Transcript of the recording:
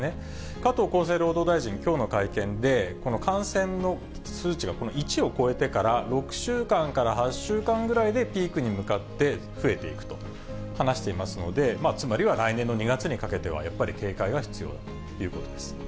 加藤厚生労働大臣、きょうの会見で、この感染の数値が１を超えてから６週間から８週間ぐらいでピークに向かって増えていくと話していますので、つまりは来年の２月にかけてはやっぱり警戒が必要ということです。